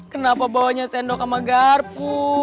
kenapa bawanya sendok sama garpu